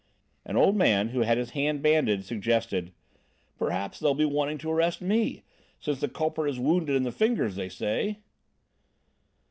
An old man, who had his hand bandaged, suggested: "Perhaps they'll be wanting to arrest me since the culprit is wounded in the fingers, they say."